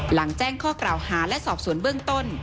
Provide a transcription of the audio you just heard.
แจ้งข้อกล่าวหาและสอบสวนเบื้องต้น